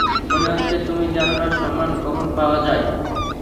মনে হচ্ছে তুমি জানো না সম্মান কখন পাওয়া যায়।